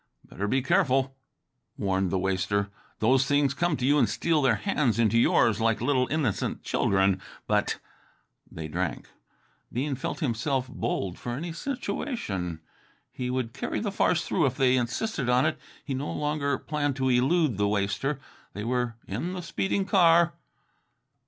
"Better be careful," warned the waster. "Those things come to you and steal their hands into yours like little innocent children, but ". They drank. Bean felt himself bold for any situation. He would carry the farce through if they insisted on it. He no longer planned to elude the waster. They were in the speeding car.